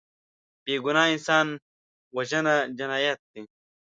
بېګناه انسان وژنه جنایت دی